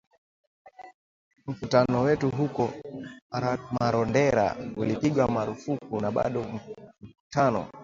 Mkutano wetu huko Marondera ulipigwa marufuku na bado mkutano